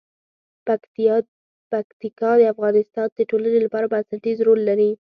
پکتیکا د افغانستان د ټولنې لپاره بنسټيز رول لري.